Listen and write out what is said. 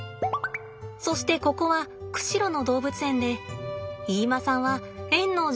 そしてここは釧路の動物園で飯間さんは園の獣医師なのです。